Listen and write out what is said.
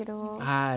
はい。